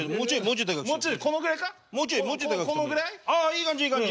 いい感じいい感じ。